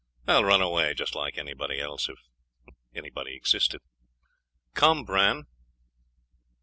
I'll run away, just like anybody else.... if anybody existed. Come, Bran!